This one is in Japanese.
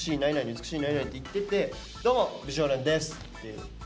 「美しいなになに」って言ってって「どうも美少年です」っていう。